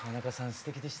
すてきでしたね。